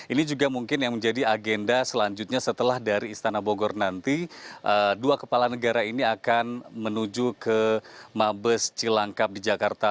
ini juga mungkin yang menjadi agenda selanjutnya setelah dari istana bogor nanti dua kepala negara ini akan menuju ke mabes cilangkap di jakarta